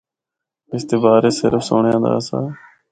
اس دے بارے صرف سنڑیا دا آسا۔